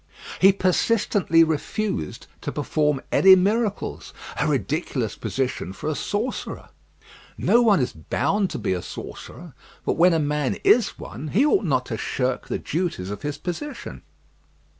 He persistently refused to perform any miracles a ridiculous position for a sorcerer. No one is bound to be a sorcerer; but when a man is one, he ought not to shirk the duties of his position.